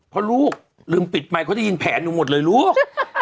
เพราะลูกลืมปิดไมค์เขาได้ยินแผนหนูหมดเลยลูก